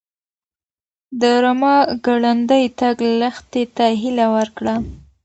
د رمه ګړندی تګ لښتې ته هیله ورکړه.